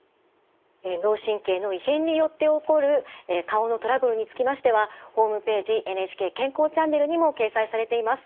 脳神経の異変によって起こる顔のトラブルにつきましてはホームページ「ＮＨＫ健康チャンネル」にも掲載されています。